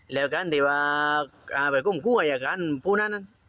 แล้วกันที่ว่าอ่าไปคุ้มคู่กับอายการผู้นั้นน่ะ